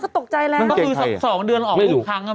มันจะอยู่ไม่ได้สิ